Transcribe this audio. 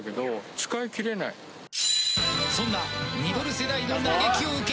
そんなミドル世代の嘆きを受け